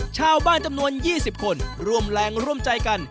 ชาวบ้านจำนวน๒๐คนร่วมแรงร่วมใจกัน